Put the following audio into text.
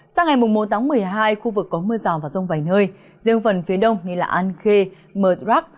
sau ngày mùng một tháng một mươi hai khu vực có mưa rào và rông vài nơi riêng phần phía đông như là an khê mật rắc